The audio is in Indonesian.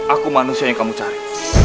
aku manusia yang kamu cari